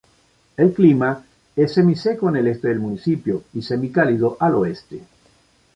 El clima es semiseco en el Este del municipio y semicálido al Oeste.